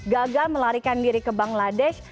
tiga puluh gagal melarikan diri ke bangladesh